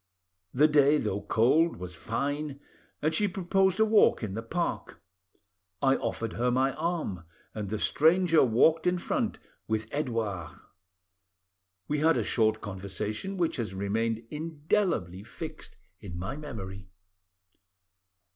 The day, though cold, was fine, and she proposed a walk in the park. I offered her my arm, and the stranger walked in front with Edouard. We had a short conversation, which has remained indelibly fixed in my memory.